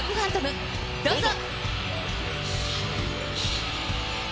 どうぞ。